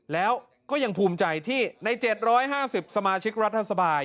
แล้วก็ยังภูมิใจที่ใน๗๕๐สมาชิกรัฐสบาย